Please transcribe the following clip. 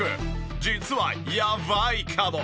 実はやばいかも！？